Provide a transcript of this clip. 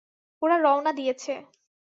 ওরা রওনা দিয়েছে।